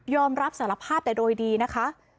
รับสารภาพแต่โดยดีนะคะ